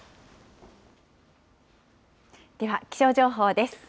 では、気象情報です。